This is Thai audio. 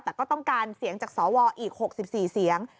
แต่ก็ต้องการเสียงจากสวอีก๖๔เสียง